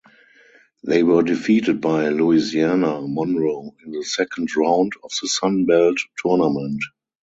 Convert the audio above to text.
They were defeated by Louisiana–Monroe in the second round of the Sun Belt Tournament.